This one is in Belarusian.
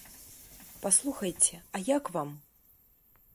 Паслухайце, а як вам?